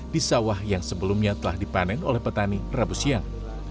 di sawah yang sebelumnya telah dipanen oleh petani rabu siang